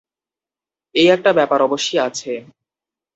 এই একটা ব্যাপার অবশ্যি আছে।